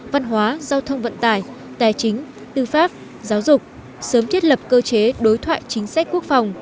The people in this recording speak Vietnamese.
văn hóa giao thông vận tải tài chính tư pháp giáo dục sớm thiết lập cơ chế đối thoại chính sách quốc phòng